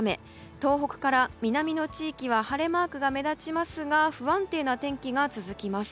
東北から南の地域は晴れマークが目立ちますが不安定な天気が続きます。